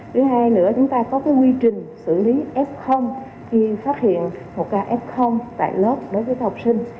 thứ hai nữa chúng ta có quy trình xử lý f khi phát hiện một ca f tại lớp đối với học sinh